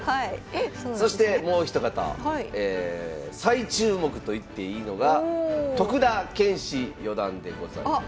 そしてもう一方再注目といっていいのが徳田拳士四段でございます。